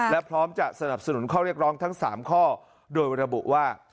และพร้อมจะสนับสนุนข้อเรียกร้องทั้ง๓ข้อโดยระบุว่า